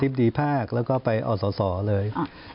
ดีภาคแล้วก็ไปอศเลย